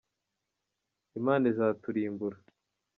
Imana izaturimbura.